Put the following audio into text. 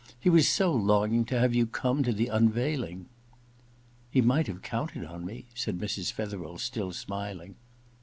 He was so longing to have you come to the unveiling !'* He might have coimted on me,' said Mrs. Fetherel, still smiling.